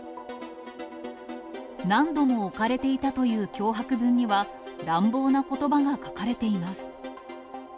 何度も置かれていたという脅迫文には、乱暴なことばが書かれています。